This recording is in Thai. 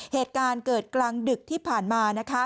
เหตุการณ์เกิดกลางดึกที่ผ่านมานะคะ